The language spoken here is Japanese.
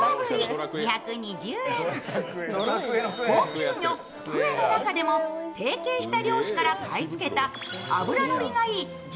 高級魚くえの中でも提携した漁師から買い付けた脂のりがいい